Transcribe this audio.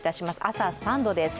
朝３度です。